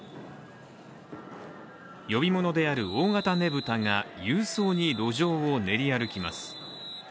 呼び物である大型ねぶたが勇壮に路上を練り歩きます。